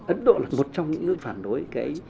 ấn độ là một trong những nước phản đối